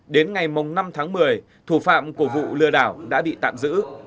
đến ngày năm tháng một mươi thủ phạm của vụ lừa đảo đã bị tạm giữ